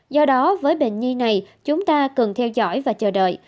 do đó với bệnh nhi này chúng ta cần theo dõi và chờ đợi